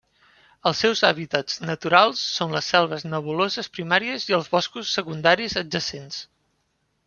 Els seus hàbitats naturals són les selves nebuloses primàries i els boscos secundaris adjacents.